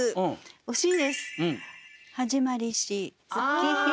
惜しいです。